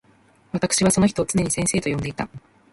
私わたくしはその人を常に先生と呼んでいた。